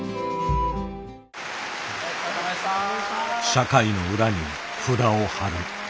社会の裏に札をはる。